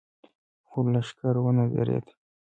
خو لښکر ونه درېد.